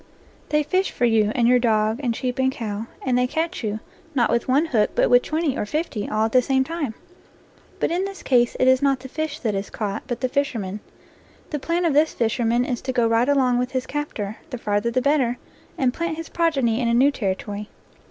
They fish for you and your dog and sheep and cow, and they catch you, not with one hook, but with twenty or fifty, all at the same time. But in this case it is not the fish that is caught, but the fisherman. The plan of this fisherman is to go right along with his captor, the farther the better, and plant his progeny in a new territory.